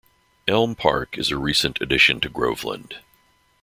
Elm Park is a recent addition to Groveland.